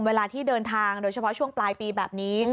เวลาที่เดินทางโดยเฉพาะช่วงปลายปีแบบนี้